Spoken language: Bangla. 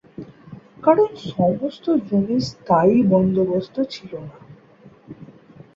কারণ সমস্ত জমির স্থায়ী বন্দোবস্ত ছিল না।